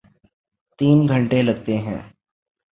تین گھنٹے لگتے ہیں۔